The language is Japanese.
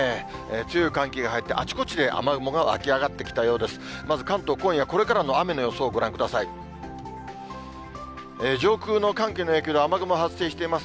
強い寒気が入って、あちこちで雨雲が湧き上がってきたようです。